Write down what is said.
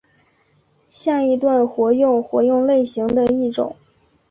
下一段活用活用类型的一种。